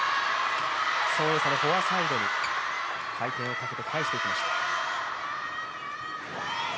孫エイ莎のフォアサイドに回転をかけて返していきました。